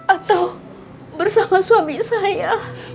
atau bersama suami saya